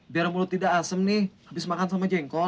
biar mulut tidak asem nih habis makan sama jengkol